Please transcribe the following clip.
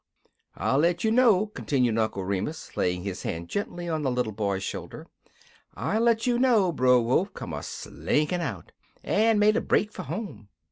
"I let you know," continued Uncle Remus, laying his hand gently on the little boy's shoulder, "I let you know, Brer Wolf come a slinkin' out, en made a break fer home.